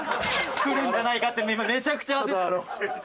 くるんじゃないかって今めちゃくちゃ焦ってた。